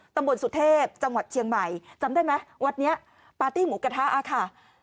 ตำบลสุเทพจังหวัดเชียงใหม่จำได้ไหมวัดนี้ปาร์ตี้หมูกระทะค่ะ